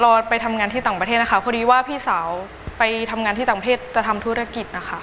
ไปทำงานที่ต่างประเทศนะคะพอดีว่าพี่สาวไปทำงานที่ต่างเพศจะทำธุรกิจนะคะ